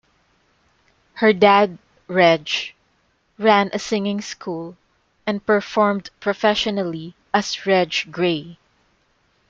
Her dad, Reg, ran a singing school and performed professionally as Reg Gray.